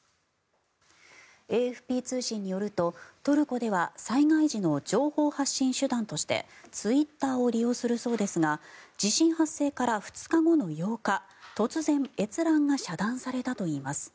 ＡＦＰ通信によると、トルコでは災害時の情報発信手段としてツイッターを利用するそうですが地震発生から２日後の８日突然閲覧が遮断されたといいます。